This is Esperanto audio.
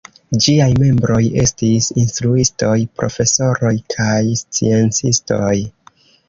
Ĝiaj membroj estis instruistoj, profesoroj kaj sciencistoj.